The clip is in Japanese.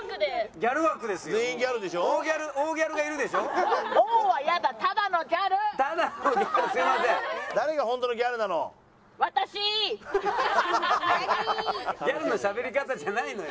ギャルのしゃべり方じゃないのよ。